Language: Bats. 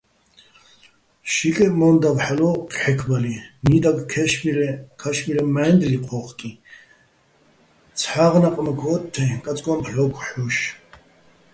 შიკეჸ მო́ნდავ ჰ̦ალო̆ ქჵექბალიჼ, ნიდაგ, ქაშმირეჼ მაჲნდლი ჴო́ხკიჼ, ცჰ̦აღ ნაყმაქ ო́თთეჼ კაწკოჼ ფლო́ქო̆ ჰ̦ოშ.